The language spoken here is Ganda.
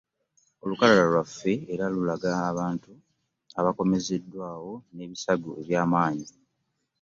Olukalala lwaffe era lulaga abantu abakomezeddwawo n'ebisago ebyamanyi